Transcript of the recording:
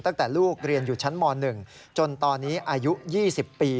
ตั้งแต่ลูกเรียนอยู่ชั้นม๑จนตอนนี้อายุ๒๐ปี